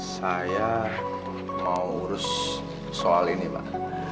saya mau urus soal ini mbak